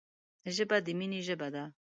ژبه د مینې ژبه ده